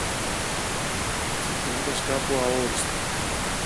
κοιτώντας κάπου αόριστα